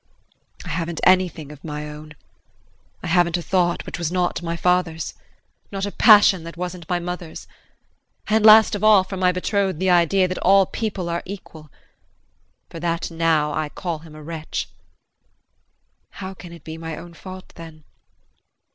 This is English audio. I haven't anything of my own. I haven't a thought which was not my father's not a passion that wasn't my mother's. And last of all from my betrothed the idea that all people are equal. For that I now call him a wretch. How can it be my own fault then?